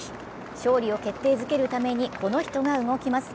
勝利を決定づけるために、この人が動きます。